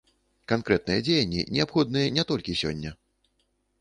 Канкрэтныя дзеянні неабходныя не толькі сёння.